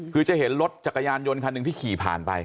คือจะเห็นรถจักรยานยนต์คันหนึ่งที่ขี่ผ่านไป